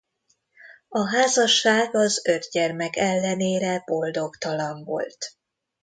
A házasság az öt gyermek ellenére boldogtalan volt.